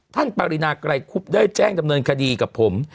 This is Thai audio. ปรินาไกรคุบได้แจ้งดำเนินคดีกับผม